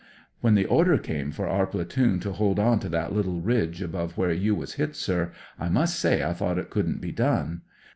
'* When the order came for our platoon to hold on to that litUe ridge above where you was hit, sir, I must say I thought it couldn't be done.